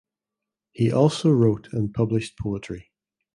He also wrote and published poetry.